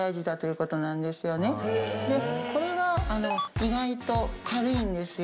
これは意外と軽いんですよ。